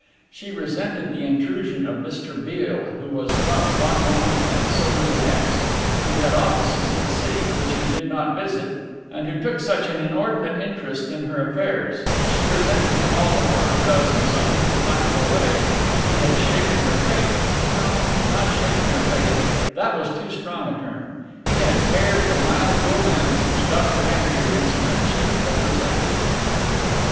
She resented the intrusion of Mr. Beale, who was drunk one moment and sober the next, who had offices in the city which he did not visit and who took such an inordinate interest in her affairs, and she resented him all the more because, in some indefinable way, he had shaken her faith no, not shaken her faith, that was too strong a term he had pared the mild romance which Dr. van Heerden's friendship represented.